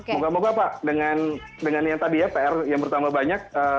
moga moga pak dengan yang tadi ya pr yang bertambah banyak